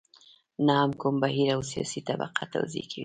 نه هم کوم بهیر او سیاسي طبقه توضیح کوي.